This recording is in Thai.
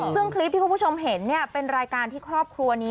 ซึ่งคลิปที่คุณผู้ชมเห็นเป็นรายการที่ครอบครัวนี้